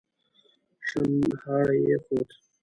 شڼهاری يې خوت.